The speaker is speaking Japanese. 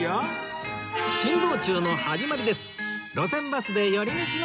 珍道中の始まりです